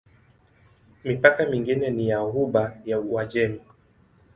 Mipaka mingine ni ya Ghuba ya Uajemi.